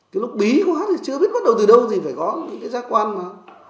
cái lúc bí quá thì chưa biết bắt đầu từ đâu thì phải có những cái giác quan mà